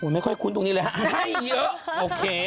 ไม่ค่อยคุ้นตรงนี้เลยฮะให้เยอะโอเค